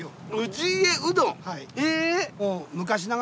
氏家うどん？へぇ。